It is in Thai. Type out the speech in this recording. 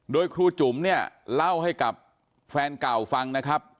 โดยครูจุ๋มเนี่ยเล่าให้กับแฟนเก่าฟังนะครับ